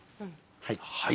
はい！